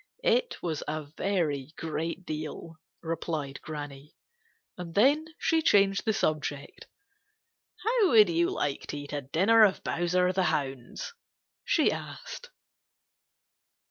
"It was a very great deal," replied Granny. And then she changed the subject. "How would you like to eat a dinner of Bowser the Hound's?" she asked.